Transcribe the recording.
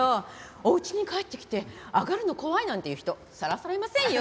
お家に帰ってきて上がるの怖いなんていう人さらさらいませんよ。